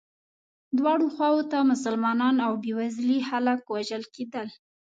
دواړو خواوو ته مسلمانان او بیوزلي خلک وژل کېدل.